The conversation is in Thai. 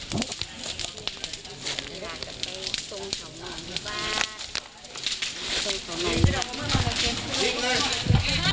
มีทำลายของงงในปิดประตูมงค์